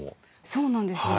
そうなんですよ。